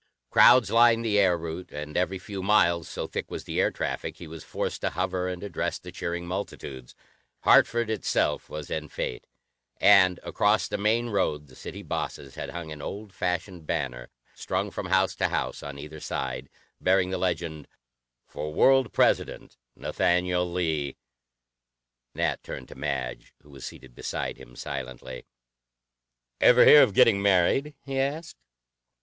Crowds lined the air route, and every few miles, so thick was the air traffic, he was forced to hover and address the cheering multitudes. Hartford itself was en fete, and across the main road the City Bosses had hung an old fashioned banner, strung from house to house on either side, bearing the legend: For World President: NATHANIEL LEE! Nat turned to Madge, who was seated beside him silently. "Ever hear of 'getting married?'" he asked.